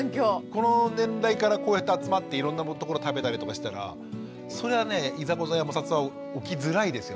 この年代からこうやって集まっていろんなところ食べたりとかしたらそりゃねいざこざや摩擦は起きづらいですよ。